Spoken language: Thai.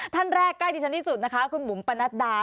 ท่านแรกใกล้ที่ฉันที่สุดนะคะคุณบุ๋มปนัดดา